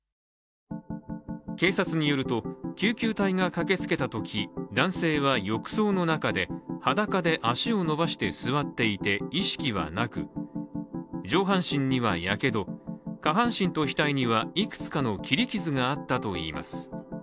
警察によると、救急隊が駆けつけたとき男性は浴槽の中で裸で足を伸ばして座っていて意識はなく、上半身にはやけど、下半身と額にはいくつかの切り傷があったといいます。